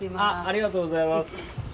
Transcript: ありがとうございます。